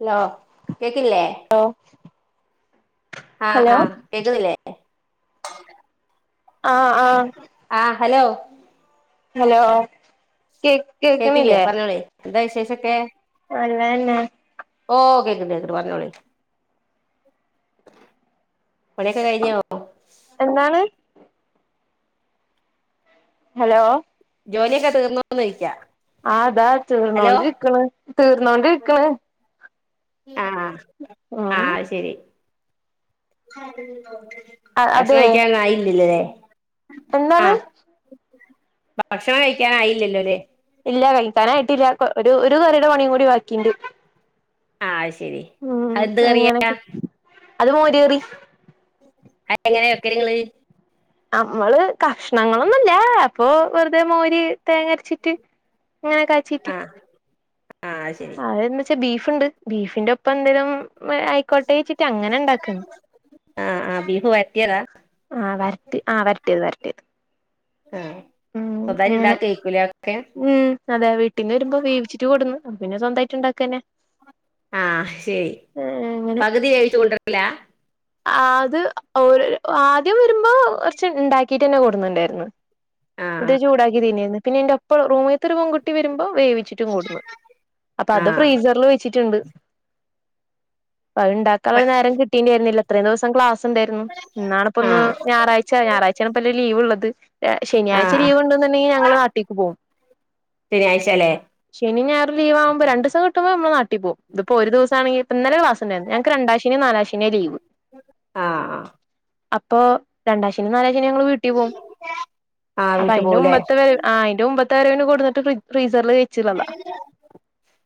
Hello കേക്കില്ലേ hello ആഹ് hello ആഹ് കേക്കുന്നില്ലേ ആഹ് ആഹ് ആഹ് ഹലോ ഹലോ കേക് കേക്കില്ലേ പറഞ്ഞോളിം എന്താ വിശേഷൊക്കെ നല്ലതന്നെ ഓ കേക്ക്ണ്ട് കേക്ക്ണ്ട് പറഞ്ഞോളിം പണിയൊക്കെ കഴിഞ്ഞോ എന്നാണ് ഹലോ ജോലിയൊക്കെ തീർന്നോന്ന് ചൊയ്ക്കാ ആ ഇതാ തീർന്നോണ്ടിരിക്കണ് തീർന്നോണ്ടിരിക്കണ് ആഹ് ആഹ് ശരി ഭക്ഷണം അതെ കഴിക്കാനൊന്നും ആയില്ലല്ലേ എന്താണ് ആഹ് ഭക്ഷണം കഴിക്കാന് ആയില്ലല്ലോ അല്ലേ ഇല്ല കഴിക്കാനായിട്ടില്ല ഒരു ഒരു കറിയുടെ പണിയും കൂടി ബാക്കിണ്ട് ആഹ് അയ്ശരി ഉം അങ്ങനൊക്കെ അത് മോര് കറി അതെങ്ങനെയ വക്കല് നിങ്ങള് നമ്മള് കഷണങ്ങളൊന്നുംല്ല അപ്പൊ വെറുതെ മോര് തേങ്ങ അരച്ചിട്ട് ങ്ങനെ കയ് ആഹ് അയ്ശരി അതന്ത വെച്ചാ ബീഫ്ണ്ട് ബീഫിന്റെ ഒപ്പം എന്തങ്കിലും ആയി ക്കോട്ടേയ്ചിട്ട് അങ്ങനെ ഉണ്ടാക്കണ് ആഹ് ആഹ് ബിഫു വയറ്റിയതാ ആഹ് വരട്ടി ആഹ് വരട്ടിയത് വരട്ടിയത് ആഹ് ഉം സ്വകാര്യ അങ്ങനെ ഇണ്ടാക്കി കഴിക്കൂല അതൊക്കെ ഉം അതെ വീട്ടീന്ന് വരുമ്പോ വേവിച്ചിട്ട് കൊട്ന്നു. അപ പിന്നെ സ്വന്തായിട്ട്ണ്ടാക്കന്നെ. ആഹ് ശരി പകുതി വേവിച്ച് കൊണ്ടരലാ? ആഹ് അത് ഓര് ആദ്യം വരുമ്പോ കൊർച്ച് ണ്ടാക്കിട്ടെന്നെ കൊടുന്നുണ്ടായിരുന്നു ത് ആഹ് ചൂടാക്കി തിന്നായ്ന്നു. പിന്നെയിന്റപ്പറം റൂമിൽത്തെ ഒരു പെങ്കുട്ടി വരുമ്പോ വേവിച്ചിറ്റും കൊട്ന്ന്. അപ്പത് ആഹ് ഫ്രീസർല് വെ ചിറ്റ്ണ്ട്. പത്ണ്ടാക്കാൻള്ള നേരം കിട്ടീണ്ടായ്രുന്നില്ല. ത്രേം ദെവസം ക്ലാസ് സ് ണ്ടായിരുന്നു ന്നാണ്പ്പൊന്ന് ആഹ് ഞായറാഴ്ച ഞായറാഴ്ചാണപ്പ ല്ലൊ ലീവ്ള്ളത് ഏ ശനിയാഴ് ആഹ് ച്ചിരി ആഹ് ഒഴിവുണ്ടുന്നുണ്ടെങ്കി ഞങ്ങള് നാട്ടീക്ക് പോവും ശനിയാഴ്ചല്ലേ ശനിയും ഞായറും ലീവാവുമ്പ രണ്ട് സം കിട്ടുമ്പോ നമ്മള് നാട്ടീപോവും. ത്പ്പോ ഒരു ദിവസാണെങ്കി പ്പ ന്നലെ ളാസ് ണ്ടാരുന്നു. ഞങ്ങക്ക് രണ്ടാം ശനിയും നാ നാലാം ശനിയു ആ ലീവ് ആഹ് ആഹ് അപ്പൊ രണ്ടാം ശനിയും നാലാം ശനിയും ഞങ്ങള് വീട്ടി പോവും. [inaudible] അപ്പൊ വീട്ട് അയിന്റെ പോവുലേ മുമ്പത്തെ വരെ ആ അയിന്റെ മുമ്പത്തെ വരവിന് കൊടുന്നിട്ട് ഫ്രി ഫ്രീസറില് വെച്ചി ള്ളതാ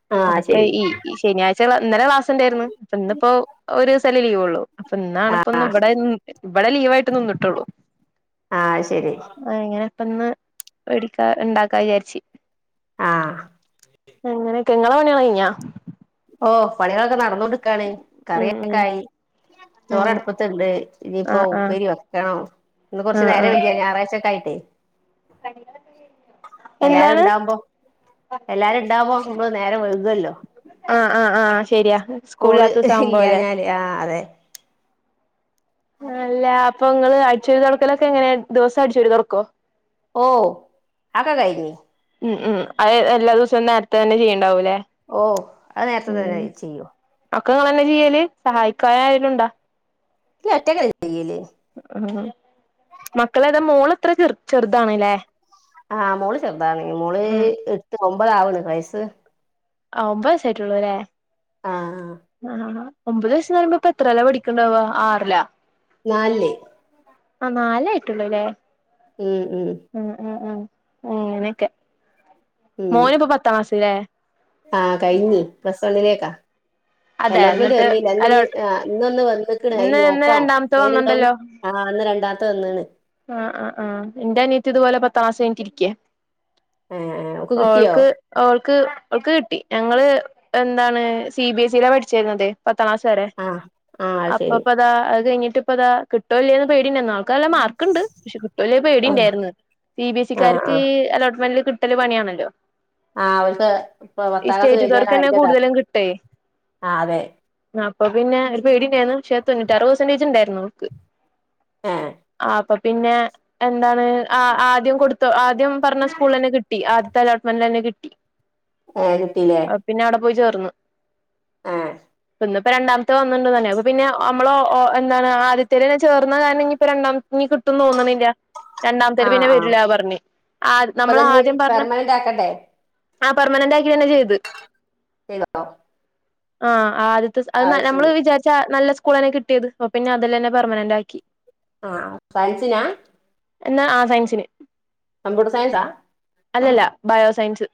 അ അപ്പൊ ഇ ഈ ശനിയാഴ്ച ന്നലെ ക്ലാസ്ണ്ടായിരുന്നു. പക്ഷെ ന്നിപ്പോ ഒരോസല്ലെ ലീവുള്ളു. അപ്പൊ ന്നാണ് പ്പൊ ന്ന് ആഹ് വടെൻ വടെ ലീവായ്ട്ട് നിന്നിട്ടുള്ളൂ ആഹ് ശരി ആഹ് ഞാൻ പ്പന്ന് [unintelligible] ണ്ടാക്കാ ചാരിച്ച്. ആഹ് എങ്ങനൊക്കെ ങ്ങളെ പണിയള് കഴിഞ്ഞാ? ഓഹ് പണികളൊക്കെ നടന്നോണ്ട്ക്കാണ് ഉം ഉം കറിയൊക്കായി. അങ്ങനെ ചോറടുപ്പത്തുണ്ട് ആ ഇനിയിപ്പോ ആ ഉപ്പേരി വെക്കണം. ന്ന് ആ കൊർച്ച് നേര ആ വൈ കിയ ഞായറാഴ്ചൊക്കായിട്ടേ എന്താണ് എല്ലാരുണ്ടാവുമ്പോ എല്ലാരുണ്ടാവുമ്പോ മ്മള് നേരം വഴുകല്ലൊ ആഹ് ആഹ് ആഹ് ശരിയാ കൂള് സ്കൂളില്ലാത്ത ദിവസം ആവുമ്പോലെ ഇല്ല്യാഞ്ഞാല് ആഹ്‌ അതെ അല്ല അപ്പൊ ങ്ങള് അടിച്ചൊരി തൊടക്കലൊക്കെങ്ങന? ദിവസൊ അടിച്ചു വാരി തൊറക്കൊ? ഓഹ് അഒക്ക കയിഞ്ഞ് ഉം ഉം അഅ് എല്ലാ ദിവസവും നേരത്തെ തന്നെ ചെയ്യേണ്ടാവൂല്ലേ ഓഹ് അഅ് നേരത്തെ തന്നെ ചെയ്യും. ഒക്ക ങ്ങളെന്ന ചെയ്യല്? സഹായിക്കാനാരേലുണ്ടോ? ല്ല ഒറ്റക്ക ചെയ്യല് മക്കളേത മോള് ത്ര ചെർ ചെർതാണല്ലേ? ആഹ് മോള് ചെർതാണെ മോള് ഉം എട്ട് ഒമ്പതാവണ് വയസ്സ് ആ ഒമ്പസായിട്ടേള്ളൂ ല്ലേ? ആഹ് ആ ഹ ഹാ ഒമ്പത് വയസ് ന്നറീമ്പൊ പ്പത്രേലാ പഠിക്കണ്ടാവ ആറിലാ? നാല്ല് ആഹ് നാലായിട്ടുള്ളൂല്ലേ? ഉം ഉം ഉം ഉം ഉം ഉ അനൊക്കെ മോന് പ്പൊ പത്താം ക്ലാസ് ല്ലേ? ആഹ് കയിഞ്ഞി. പ്ലസ് വണ്ണിലേക്കാ. അതെ അലോട്ട്മെന്റ് എന്നിട്ട് വന്നില്ല. അല്ല ന്നിനി ആ ന്നൊന്ന് വന്ന്ക്ക്ണ് അയില് ഇന്ന് ഇന്ന് നോക്കണം രണ്ടാമത്തെ പേരുണ്ടോന്ന്. വന്നുണ്ടല്ലോ ആഹ് ന്ന് രണ്ടാംത്തെ വന്ന്ണ് ആഹ് ആ ആ. ഇന്റനിയത്തി തുപോലെ പത്താം ക്ലാസ് കഴിഞ്ഞിറ്റിരിക്ക. ഏ ഓക്ക് കിട്ടിയോ ഓൾക്ക്. ഓൾക്ക് അവൾക്ക് കിട്ടി. ഞങ്ങള് എന്താണ് സി ബി എസ് ഇയില പഠിച്ചിരുന്നത്. പത്താം ക്ലാസ വരെ. ആ ആ അത് അപ്പൊ- ശരി അ അത് കഴിഞ്ഞട്ട ഇപ്പതാ. കിട്ട ഇല്ലന്ന് പേടണ്ട. ആൾക്കല്ല മാർ ണ്ട്. പക്ഷെ കിട്ടല്ലപേട ആ ഉണ്ടായിരുന്നു. സി ബി ഏസി ആ ആ കർക്ക് അലോട്ട്മെന്റ് ട്ടരു പണിയണല്ലോ. ആഹ് അവർക്ക് ഇപ്പ പത്താം ക്ലാസ് കഴിഞ്ഞാൽ സ്റ്റേറ്റ്കാർക്കന്നെ കൂടുതലും [unintelligible] ആഹ് അതെ ആ അപ്പൊ പിന്നെ ഒരു പേടി ഉണ്ടായിരുന്നു. ക്ഷെതൊണ്ണൂറ്റാറ്റ് പ്രസന്റേജ ഉണ്ടായിരുന്നു അവൾക്ക്. ഏ ആ അപ്പൊ പിന്നെ എന്താണ് ആ ആദ്യം കൊടുത്തു. ആദ്യം പറഞ്ഞ സ്കൂൾ തന്നെ കിട്ടി. ആദ്യത്തെ അലോട്ട്മെന്റ് തന്നെ കിട്ടി. ആഹ് കിട്ടീല്ലേ. അപ്പൊ പിന്നെ അവിടെ പോയി ചേർന്നു. ഏഹ് ഇന്നിപ്പോ രണ്ടാമത്തെ വന്നിണ്ട് തന്നെ. അപ്പ പിന്നെ നമ്മള എന്താണ് ആദ്യത്തെന്നെ ചേർന്ന കാരണംപ്പോ രണ്ട ഇനികിട്ടുംന്ന് തോന്നണില്ല. ആ രണ്ടാമത്തെേര് പിന്നെ ആ വരില പറഞ്ഞ. ആഹ് നമ്മൾ ഇപ്പതന്നെ ആദ്യം പറഞ്ഞ പെർമനന്റ് ആക്കണ്ടേ ആഹ് പർമനന്റ് ആക്കി തന്നെ ചെയ്ത്. ല്ലാട്ടോ ആഹ്. ആദ്യത്തെ അത് നമ്മള് ശരി വിചാരിച്ചാ നല്ല സ്കൂളന്നെ കിട്ടിയത്. അപ്പൊ പിന്നെ അതല്ലന്നെ പെർമനന്റ് ആക്കി. ആഹ് സയൻസിനാ എന്നാ ആ സയൻസിന് കമ്പ്യൂട്ടർ സയൻസാ അല്ലല്ല ബയോസയൻസ്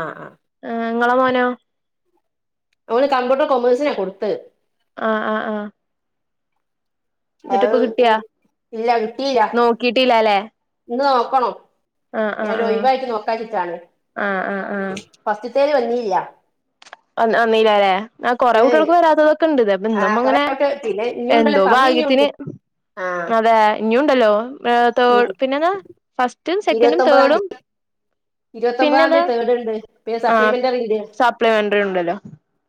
ആഹ് ആഹ് ആഹ് ങ്ങളെ മോനോ. അവള് കമ്പ്യൂട്ടർ കൊമേഴ്സിനാണ് കൊടുത്. ആഹ് ആഹ് ആഹ് ആഹ് ഇല്ല കിട്ടീയില്ല. കിട്ടില്ലല്ലേ ഇന്ന് നോക്കണോ. ഞൻ ഒഴിവായിട്ട് നോക്കാ ചിട്ടാണ്. ആ ആ ആ ഫസ്തുത്തേൽ വന്നില്ല. വന്നില്ലല്ല അല്ലേ. ആ കുറെ ഏയ് കുട്ടികൾക്ക് വരാത്തതൊക്കെ ഉണ്ട്. അത് ആഹ് നമ്മള കൊറേ ഇങ്ങനെ ആയിട്ട് പിന്നെ ഇഞ്ഞുണ്ടല്ലോ എന്തോ സമയം ഇഞ്ഞുണ്ട് ഭാഗ്യത്തിന്. ആഹ് അതെ ഇഞ്ഞുണ്ടല്ലോ. തേ് ഉം പിന്നെന്താ. ഫസ്റ്റും സെക്കൻറും ഇരുപത്തൊമ്പതാം തേർഡും. തീയതി ഇരുപത്തൊമ്പതാം പിന്നെതാ തീയതി തേർഡ് ഉണ്ട് പിന്നെ ആ സപ്ലിമെന്ററി ഉണ്ട് സപ്ലിമെന്ററി ഉണ്ടല്ലോ.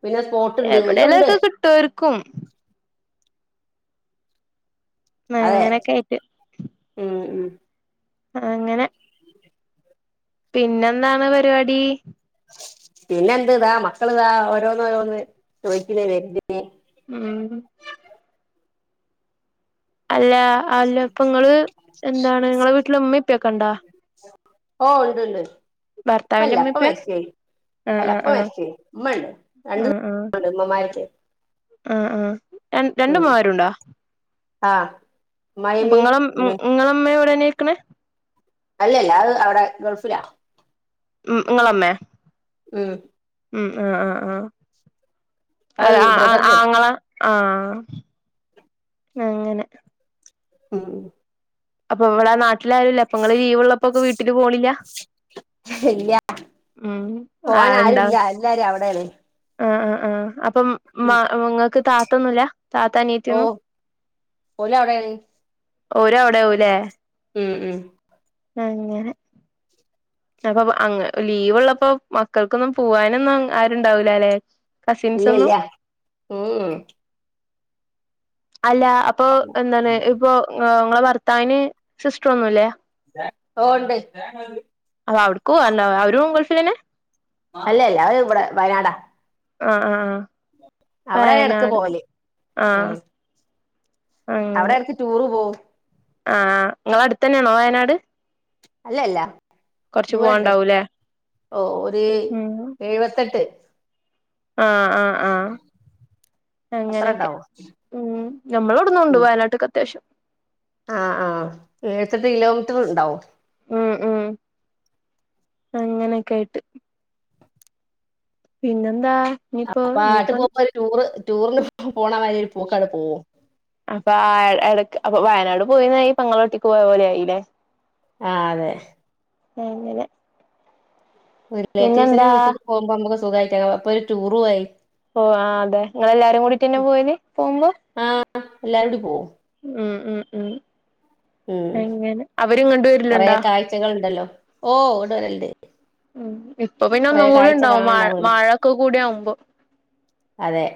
പിന്നെ ഫോൺ, എവിടെല ഒക്കെ കിട്ടർക്കും. അതെ. അങ്ങനൊക്കെ ആയിട്ട് ഉം ഉം അങ്ങനെ. പിന്നെന്താണ് പരിപാടി. പിന്നെ എന്ത് ഇതാ. മക്കൾ ഇതാ ഓരോന്ന് ഓരോന്ന് ചോദിക്കുന്ന വരു. ഉം അല്ല അല്ല ഇപ്പ നിങ്ങള് എന്താണ് നിങ്ങളെ വീട്ടില ഉമ്മപ്പൊക്കെ ഉണ്ടാ ഓഹ് ഉണ്ട്ണ്ട്. ഭർത്താവിന്റെ ഉപ്പല്ല. ഉമ്മേം പ്പ ഉപ്പേം മരിച്ചായി ആ അല്ല ആ ഉപ്പ ആ മരിച്ചേയി. ഉമ്മ ഉണ്ട് രണ്ട ദിവസണ്ട് ഉമ്മമാരക്ക ആഹ് ആഹ് രണ്ട മ്മമാരുണ്ടോ. ആ അപ്പം ഇങ്ങളും ഉം ഇങ്ങള ഇമ്മീ ഇവടെന്നെര്ക്ക്‌ണ അല്ലല്ല അത് അവടെ ഗൾഫിലാ. ഉം ഇങ്ങള ഇമ്മേ ഉം. ഉം ആ ആ ആ അത് ആ ആ ആങ്ങള ആ അങ്ങനെ. ഉം. അപ്പൊ ഇവടെ നാട്ടിലാരുല്ല അപ്പൊ ഇങ്ങള് ലീവ്ള്ളപ്പൊക്കെ വീട്ടില് പോണില്ല ഇല്ല ഉം പോവാൻ ആൾ ണ്ടോ ആരുല്ല എല്ലാരും അവിടെയാണ് ആ ആ ആ അപ്പം മാ ഉം. ഇങ്ങക്ക് താത്തൊന്നുല്ല താത്താ ഓ അനിയത്തിയൊന്നും ഓല് അവിടെയാണ് ഓരു അവ്ടെ ഉം ഉം. അങ്ങനെ. അപ്പൊ അങ്ങ് ലീവ് ഇള്ളപ്പോ മക്കൾക്കൊന്നും പോവാനൊന്നും ആരുണ്ടാവൂലാ ലെ ഇല്ല്യ ഇല്ല്യാ ഉം ഉം. അല്ലാ അപ്പൊ എന്താണ് ഇപ്പൊ ആ ഇങ്ങളെ ഭർത്താവിന് സിസ്റ്ററൊന്നുല്ലേ ഓ ഇണ്ട് അപ്പ അവ്ട്ക്ക് പോവാല്ലോ അവരും ഗൾഫിലന്നെ അല്ലല്ല അവര് ഇവട വയനാടാ. ആ ആ ആ. അവിടെ ഇടക്ക് വയനാട് പോവല് ആ അവടെ എടക്ക് ടൂറ് പോവും. ആ ഇങ്ങള അട്ത്തന്നേണോ വയനാട് അല്ലല്ല. കൊറച്ച് ദൂരണ്ട്. പോവാണ്ടാവൂല്ലേ ഓ ഒര് എയ് വത്തട്ട് ആ ആ ആ അത്ര അങ്ങനെക്കെ. ഉണ്ടാവും ഉം ഞമ്മളവട്ന്നുണ്ട് ഉം. വയനാട്ട്ക്ക് അത്യാവശ്യം ആ ആ എയ് വത്തട്ട് കിലോമീറ്ററ് ഇണ്ടാവും. ഉം ഉം അങ്ങനെക്കായിട്ട്. പിന്നെന്താ ഇനിയിപ്പോ അപ്പ ആട്ട് ഇനിയിപ്പോ പോവുമ്പ ഒര് ടൂറ് ടൂറ്ന് പോണമാരി ഒരു പോക്കാണ്ട് പോവും. അപ്പൊ ആ എ എടക്ക്‌ അപ്പൊ വയനാട് പോയീന്നായി പെങ്ങള വീട്ടിക്ക് പോയ പോല ആയിലെ ആ അതെ. അങ്ങനെ. റിലേറ്റീവ്സിന്റെ പിന്നെന്താ വീട്ട്ക്ക് പോവുമ്പ അമ്മക്ക് സുഗായിട്ട് പോവാ അപ്പൊരു ടൂറു ആയി. ഓ ആ അതെ. ഇങ്ങളെല്ലാരും കൂടിട്ടന്നെ പോവല് പോവുമ്പോ അ എല്ലാരൂടി പോവും. ഉം ഉം ഉം ഉം അങ്ങനെ. അവര്ങ്ങട്ട് വര്ല്ണ്ടോ കുട്ടികള്ണ്ടല്ലോ, ഓ ഇങ്ങട്ട് വരല്ണ്ട്. ഉം ഇപ്പൊ പിന്നെ കൊറേ ഒന്നും കൂടി കാഴ്ച ഇണ്ടാവും. മഴ കാണാണ്ടാവല്ലോ മഴൊക്ക കൂടി ആവുമ്പോ. അതെ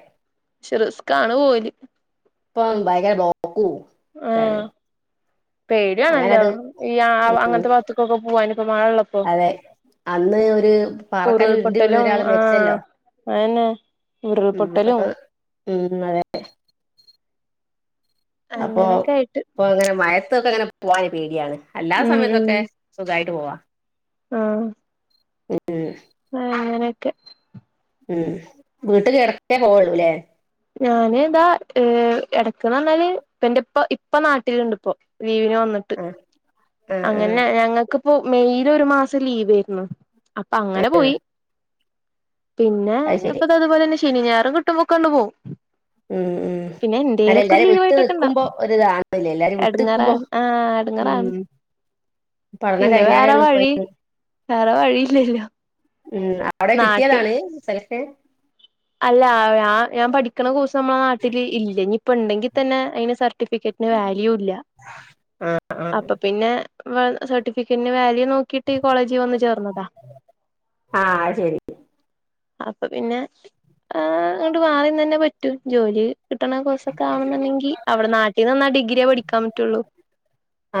പക്ഷേ റിസ്ക്കാണ് പോവല്. ഇപ്പം ഭയങ്കര ബ്ലോക്കും ആ ഒക്കെയാണ് പേടിയാണല്ലോ അങ്ങനട് ഈ ആ അങ്ങൻത്ത വാത്തുക്കൊക്ക പോവാന് ഇപ്പോ മഴള്ളപ്പോ. അതെ അന്ന് ഒരു പാറക്കല്ല് ഉരുണ്ട് വീണ് ഉരുൾപൊട്ടലും ഒരാള് ആ മരിച്ചല്ലോ അതന്നെ. ഉം ഉരുൾപൊട്ടലും പെട്ടെന്ന് ഉം അതെ അപ്പൊ അങ്ങനൊക്കെ ആയിട്ട് പ്പൊ അങ്ങനെ മയത്തൊക്കെങ്ങനെ പോവാന് പേടിയാണ്. അല്ലാത ഉം ഉം സമയത്തൊക്കെ സുഖായിട്ട് പോവാ. ആഹ് [unintelligible] ഉം അങ്ങനെക്കെ ഉം വീട്ട് എടക്കേ പോവൊള്ളൂല്ലേ ഞാന് താ എടക്ക്ന്ന് പറഞ്ഞാല് എന്റെ ഇപ്പ ഇപ്പ നാട്ടിലുണ്ട് പ്പോ ലീവിന് വന്നി ട്ട് ആ ആ ആ അങ്ങനെ ഞങ്ങക്കിപ്പോ മെയില് ഒരു മാസം ലീവയിരുന്നു അപ്പ അങ്ങനെ പോയി പിന്നെ അത് അപ്പ ശരി അത അതുപോലെന്നെ ശനി ഞായറും കിട്ടുംപൊക്കാണ്ട് പോവും മ് മ് പിന്നെ അല്ല എന്തേലൊക്കെ ഒരു എല്ലാരും വിട്ട് ലീവായിട്ടൊക്കെ ഇണ്ടാവും നിക്കുമ്പോ ഒര്താണ്ല്ല എല്ലാരും വിട്ട് നിക്കുമ്പോ എടങ്ങേറാണ് ആഹ് എടങ്ങേറാണ് ഉം പഠനം പിന്നെ കഴിഞ്ഞാലേ വേറെ ഉള്ളൂ ഇപ്പൊ വഴി വേറെ വഴില്ലല്ലോ ഉം അവടെ കിട്ടിയതാണ് സലക്ഷ അല്ല [unintelligible] ഞാൻ പഠിക്ക്ണ കൊയ് നമ്മളെ നാട്ടില് ഇല്ല ഇനിയിപ്പ ണ്ടെങ്കി തന്നെ അയ്ന്റെ സർട്ടിഫിക്കറ്റിന് വാല്യൂ ഇല്ല ആ ആ അപ്പൊ പിന്നെ [unintelligible] സർട്ടിഫിക്കറ്റിന് വാല്യൂ നോക്കിട്ട് ഈ കോളേജിൽ വന്ന് ചേർന്നതാ ആഹ് അത്ശരി അപ്പൊ പിന്നെ അങ്ങോട്ട് മാറിന്നന്നെ പറ്റു ജോലി കിട്ട്ണ കോഴ്സക്കെ ആണെന്ന്ണ്ടെങ്കിൽ അവിടെ നാട്ടിൽ നിന്ന്ന്നാ ഡിഗ്രിയേ പഠിക്കാൻ പറ്റുള്ളൂ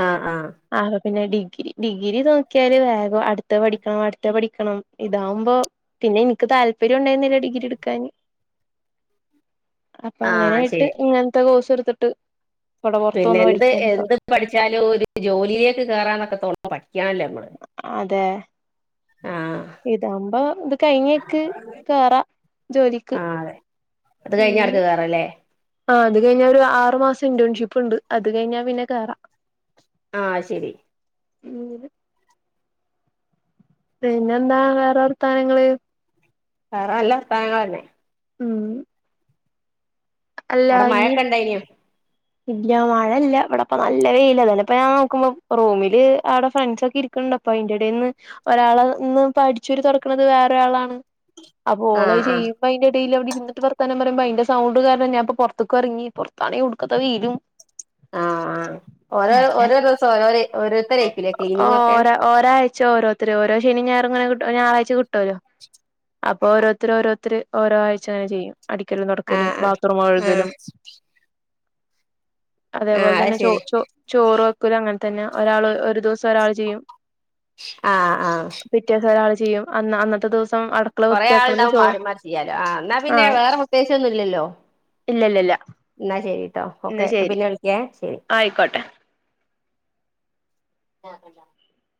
ആഹ് ആഹ് ആപ്പ പിന്നെ ഡിഗ്രി ഡിഗ്രി നോക്കിയാല് വേഗം അടുത്ത പഠിക്കണം അടുത്ത പഠിക്കണം ഇതാവുമ്പോ പിന്നെ ഇൻക്ക് താല്പര്യണ്ടായിരുന്നില്ല ഡിഗ്രി എട് അപ്പ ആ അങ്ങനെയിട്ട് ശരി ഇങ്ങൻത്തെ കോഴ്സ് എടുത്തിട്ട് വടെ പൊറത്ത് പിന്നെ വന്ന് എന്ത് പഠിക്കാണ് ഇപ്പ. എന്ത് പഠിച്ചാലും ഒരു ജോലിയിലേക്ക് കേയറാന്നൊക്കെ തോന്നും പഠിക്കണല്ലമ്മ അതെ ആഹ് ഇതാ പുമ്പോ ഇത് കഴിഞ്ഞേക്ക് കേറാ ജോലിക്ക് ആ അതെ അത് കഴിഞ്ഞ അങ്ങനെ അടെ കേറല്ലേ ആഹ് അത് കഴിഞ്ഞാ ഒരു ആറ് മാസം ഇന്റേൺഷിപ്പ് ഇണ്ട് അത് കഴിഞ്ഞാ പിന്നെ കേറാം ആഹ് അയ്ശരി [unintelligible] പിന്നെന്താ വേറെ വർത്തനങ്ങള് വേറെ നല്ല വാർത്തനങ്ങളഞ്ഞെ ഉം അല്ല അടെ ഇനി മഴക്കെണ്ടായിനോ? ഇല്ല മഴല്ല ഇവിടെ പ്പ നല്ലവെയില്ല അപ്പ ഞാൻ നോക്കുമ്പോ റൂമില് അവിടെ ഫ്രണ്ട്സ് ഒക്കെ ഇരി ക്ക്ണ്ട് അപ്പൊ ആയിന്റെടന്ന് ഒരാളന്ന് അഠിച്ചൂരി തൊറക്ക്ണത് വേറൊരാളാണ് അപ്പൊ ആ ഓളത് ആ ചെയ്യും പൊ ആയിന്റേടേല് ഇരിന്നിട്ട് വർത്താനം പറിമ്പേ അയ്ന്റെ സൗണ്ട് കാര്യങ്ങളൊക്കെ [unintelligible] ക്കത്ത വെയിലും ആഹ് ഓരോ ഓരോ ദിവസം ഓരോ ഓരോരുത്തരെ ഓ ഓ ഒരാഴ്ച ഓരോരുത്ത ഓരോ ശനിയും ഞായറും ഇങ്ങനെ ഞായറാഴ്ച കിട്ടുല്ലോ അപ്പൊ ഓരോരുത്തര് ഓരോരുത്തര് ഓരോ ആഴ്ച ങ്ങനെ ചെയ്യും അടിക്കല് ആ തുറക്കലും ആ ബാത്റൂം ആ കഴുകലും ആ അതേപോൽ അത് തന്നെ ചോ ശരി ചോ ചോറ് വെക്കലു അങ്ങൻ തന്നെ ഒരാള് ഒരു ദിവസം ഒരാൾ ചെയ്യും ആഹ് ആഹ് പിറ്റേസം ഒരാള് ചെയ്യും അന്ന അന്നത്തെ ദിവസം അട് കൊറെ ആൾണ്ടാവുമ്പോ മാറി മാറി ചെയ്യാലോ ആ ന്നാ പിന്നെ ആഹ് വേറെ പ്രത്യേകിച്ചൊന്നുല്ലല്ലോ ഇല്ല ഇല്ല ഇല്ല ന്നാ ശരി ട്ടോ ഓക്കെ എന്നാ ശരി പിന്നെ വിളിക്കേ ശരി ആയിക്കോട്ടെ ആ കട്ട